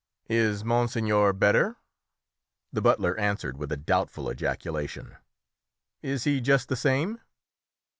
"Is monseigneur better?" The butler answered with a doubtful ejaculation. "Is he just the same?"